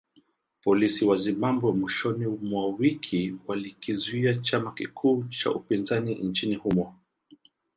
Polisi wa Zimbabwe mwishoni mwa wiki walikizuia chama kikuu cha upinzani nchini humo